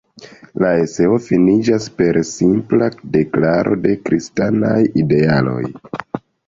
La eseo finiĝas per simpla deklaro de kristanaj idealoj.